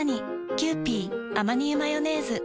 「キユーピーアマニ油マヨネーズ」